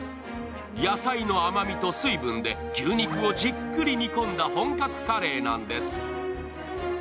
野菜の甘みと水分で牛肉をじっくり煮込んだ本格カレーなんです。